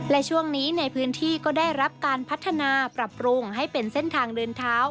และช่วงนี้ในพื้นที่ก็ได้รับการพัฒนาปรับปรุงให้เป็นเส้นทางเดินเท้า